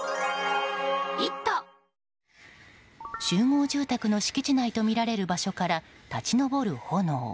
集合住宅の敷地内とみられる場所から、立ち上る炎。